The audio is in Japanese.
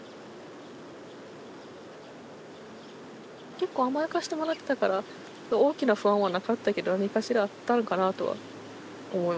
結構甘やかしてもらってたから大きな不安はなかったけど何かしらあったのかなとは思いますね。